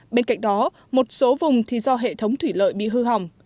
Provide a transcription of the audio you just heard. bên cạnh đó một số vùng thì do hệ thống thủy lợi bị hư hỏng